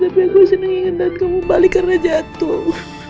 tapi aku seneng dan kamu balik karena jatuh